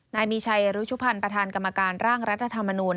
นายมีชัยรุชุพันธ์ประธานกรรมการร่างรัฐธรรมนูล